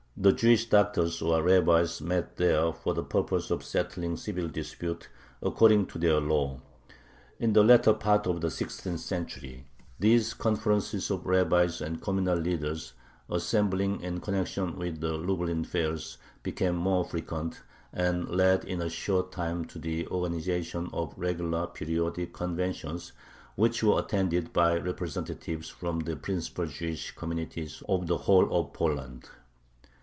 the "Jewish doctors," or rabbis, met there for the purpose of settling civil disputes "according to their law." In the latter part of the sixteenth century these conferences of rabbis and communal leaders, assembling in connection with the Lublin fairs, became more frequent, and led in a short time to the organization of regular, periodic conventions, which were attended by representatives from the principal Jewish communities of the whole of Poland.